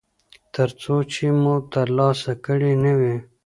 ترڅو چې مو ترلاسه کړی نه وي.